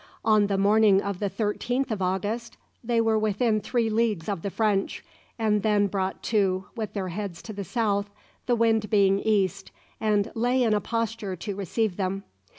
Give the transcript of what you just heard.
On the morning of the 13th of August they were within three leagues of the French, and then brought to, with their heads to the south, the wind being east, and lay in a posture to receive them.